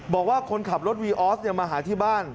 บอกว่าคนขับรถวีออสมาหาที่บ้าน